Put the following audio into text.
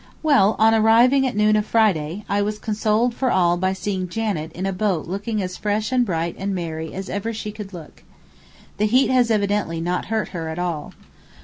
Well, on arriving at noon of Friday, I was consoled for all by seeing Janet in a boat looking as fresh and bright and merry as ever she could look. The heat has evidently not hurt her at all.